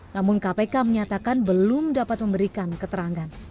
namun kpk menyatakan belum dapat memberikan keterangan